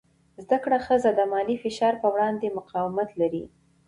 زده کړه ښځه د مالي فشار په وړاندې مقاومت لري.